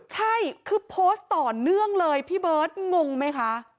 ใช่คือโพสต์ต่อเนื่องเลยพี่เบิร์ดงงไหมคะ